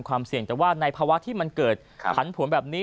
ความเสี่ยงแต่ว่าในภาวะที่มันเกิดผันผวนแบบนี้